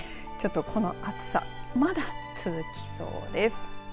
この暑さまだ続きそうです。